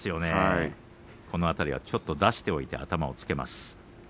この辺りもちょっと出しておいて頭をつけます。